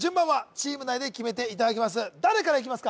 チーム内で決めていただきます